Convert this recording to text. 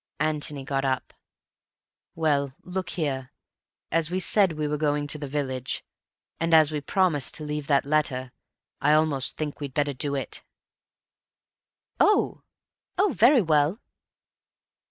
Antony got up. "Well, look here, as we said we were going into the village, and as we promised to leave that letter, I almost think we'd better do it." "Oh!.... Oh, very well."